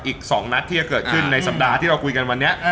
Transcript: อีก๒นัดที่จะเกิดขึ้นในสัปดาห์ที่เราคุยกันวันนี้